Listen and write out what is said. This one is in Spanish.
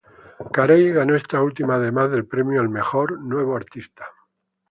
Carey ganó esta última además del premio al "Mejor nuevo artista".